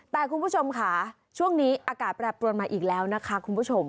แต่คุณผู้ชมค่ะช่วงนี้อากาศแปรปรวนมาอีกแล้วนะคะคุณผู้ชม